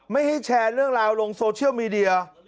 ไม่ให้แชร์เรื่องราวลงโซเชียลมีเดีย